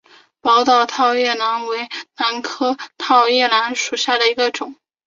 宝岛套叶兰为兰科套叶兰属下的一个种。